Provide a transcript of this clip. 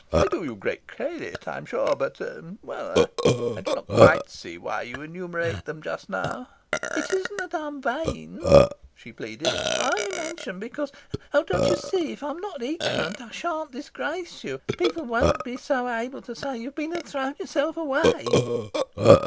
They do you great credit, I am sure. But well, I do not quite see why you enumerate them just now." "It isn't that I am vain," she pleaded. "I only mentioned them because ... oh, don't you see? If I'm not ignorant, I shan't disgrace you. People won't be so able to say you've been and thrown yourself away."